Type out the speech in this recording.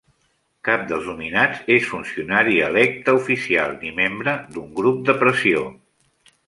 Cap dels nominats és funcionari electe oficial ni membre d'un grup de pressió.